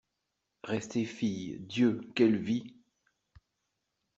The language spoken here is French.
Rester fille, Dieu ! quelle vie !